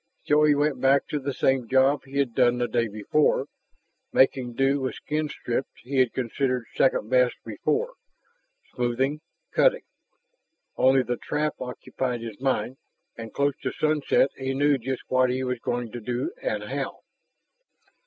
So he went back to the same job he had done the day before, making do with skin strips he had considered second best before, smoothing, cutting. Only the trap occupied his mind, and close to sunset he knew just what he was going to do and how.